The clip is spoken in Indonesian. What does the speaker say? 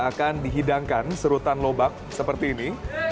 akan dihidangkan serutan lobak seperti ini